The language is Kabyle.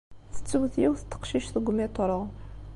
Tettwet yiwet n teqcict deg umiṭru.